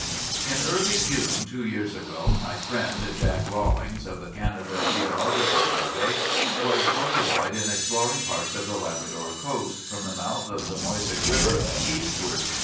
"In early June, two years ago, my friend, Jack Rollings, of the Canada Geological Survey, was occupied in exploring parts of the Labrador coast, from the mouth of the Moisic River eastward.